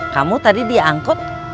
kamu tadi diangkut